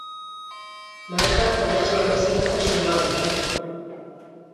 Markaapa yachaywasinqa shumaqmi.